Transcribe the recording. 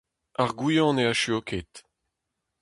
Ar goañv ne echuo ket.